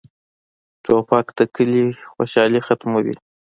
توپک د کلي خوشالي ختموي.